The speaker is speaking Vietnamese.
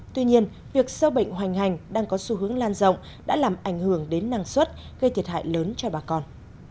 tuy nhiên việc sâu bệnh hoành hành đang có xu hướng lan rộng đã làm ảnh hưởng đến năng suất gây thiệt hại lớn cho bà con